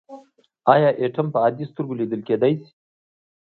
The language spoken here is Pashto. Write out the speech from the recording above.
ایا اتوم په عادي سترګو لیدل کیدی شي.